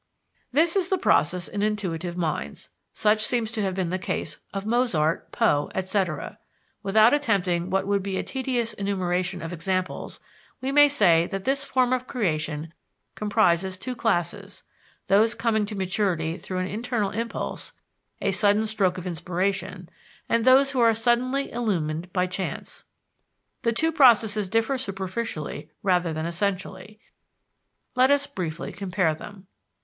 This is the process in intuitive minds. Such seems to have been the case of Mozart, Poe, etc. Without attempting what would be a tedious enumeration of examples, we may say that this form of creation comprises two classes those coming to maturity through an internal impulse, a sudden stroke of inspiration, and those who are suddenly illumined by chance. The two processes differ superficially rather than essentially. Let us briefly compare them.